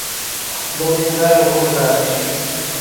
Voulle dar algúns datos.